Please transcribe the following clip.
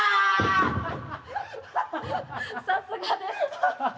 さすがです。